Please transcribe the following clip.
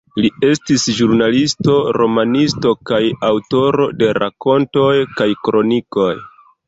Li estis ĵurnalisto, romanisto kaj aŭtoro de rakontoj kaj kronikoj.